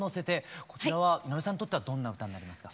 こちらは井上さんにとってはどんな歌になりますか？